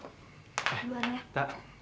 dulu aja ya